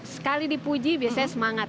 sekali dipuji biasanya semangat